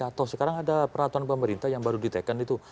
atau sekarang ada peraturan pemerintah yang baru diteken itu